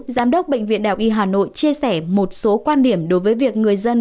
giám đốc bệnh viện đạo y hà nội chia sẻ một số quan điểm đối với việc người dân